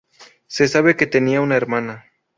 Se sabe que tenía una hermana.